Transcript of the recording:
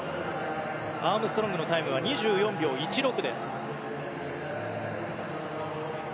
アームストロングのタイムは２４秒１６です。